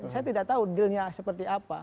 saya tidak tahu dealnya seperti apa